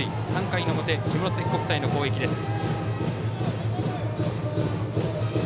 ３回の表、下関国際の攻撃です。